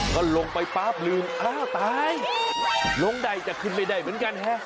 ก็ลงไปปั๊บลืมอ้าวตายลงได้แต่ขึ้นไม่ได้เหมือนกันฮะ